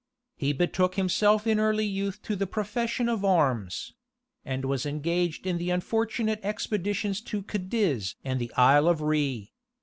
He betook himself in early youth to the profession of arms; and was engaged in the unfortunate expeditions to Cadiz and the Isle of Rhé.